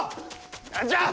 何じゃ！